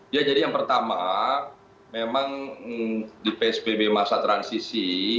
ya jadi yang pertama memang di psbb masa transisi